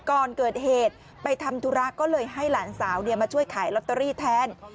ก่อนเกิดเหตุไปทำธุระก็เลยให้หลานสาวมาช่วยขายลอตเตอรี่แทน